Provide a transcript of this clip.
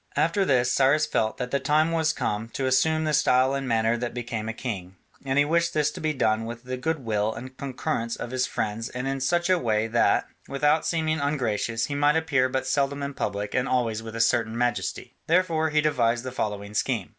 After this Cyrus felt that the time was come to assume the style and manner that became a king: and he wished this to be done with the goodwill and concurrence of his friends and in such a way that, without seeming ungracious, he might appear but seldom in public and always with a certain majesty. Therefore he devised the following scheme.